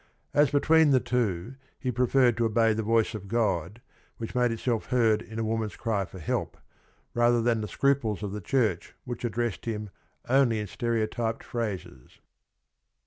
As between the two he preferred to obey the voice of God, which made itself heard in a woman's cry for help, rather than the scruples of the church which addressed him only in ste reotyped phrases.